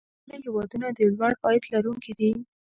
پرمختللي هېوادونه د لوړ عاید لرونکي دي.